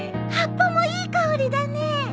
葉っぱもいい香りだね。